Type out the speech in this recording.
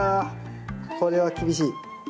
これは厳しい。